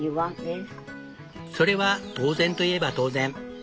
それは当然といえば当然。